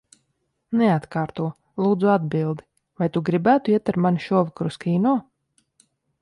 Neatkārto, lūdzu, atbildi. Vai tu gribētu iet ar mani šovakar uz kino?